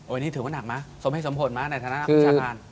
โอ้ยนี่ถือว่าหนักมั้ยสมให้สมผลมั้ยในธนาคมพิชาการ